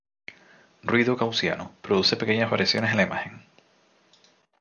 Ruido gaussiano: produce pequeñas variaciones en la imagen.